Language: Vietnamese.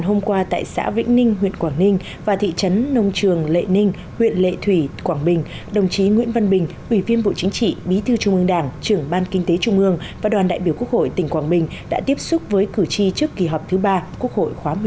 hôm qua tại xã vĩnh ninh huyện quảng ninh và thị trấn nông trường lệ ninh huyện lệ thủy quảng bình đồng chí nguyễn văn bình ủy viên bộ chính trị bí thư trung ương đảng trưởng ban kinh tế trung ương và đoàn đại biểu quốc hội tỉnh quảng bình đã tiếp xúc với cử tri trước kỳ họp thứ ba quốc hội khóa một mươi bốn